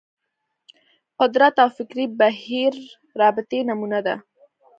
قدرت او فکري بهیر رابطې نمونه ده